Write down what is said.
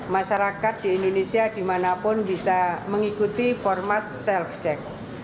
masyarakat di indonesia dimanapun bisa mengikuti format self check